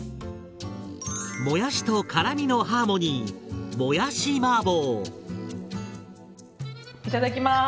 もやしと辛みのハーモニーいただきます！